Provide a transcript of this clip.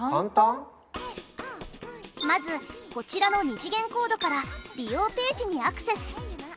まずこちらの２次元コードから利用ページにアクセス。